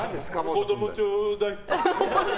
子供、ちょうだい！